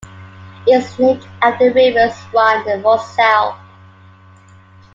It was named after the rivers Rhine and Moselle.